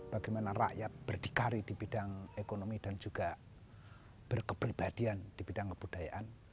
bagaimana rakyat berdikari di bidang ekonomi dan juga berkepribadian di bidang kebudayaan